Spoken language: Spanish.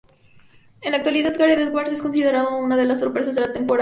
En la actualidad, Gareth Edwards es considerado una de las sorpresas de la temporada.